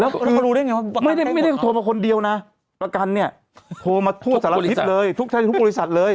แล้วคือรู้ได้ไงว่าไม่ได้โทรมาคนเดียวนะประกันเนี่ยโทรมาทั่วสารทิศเลยทุกท่านทุกบริษัทเลย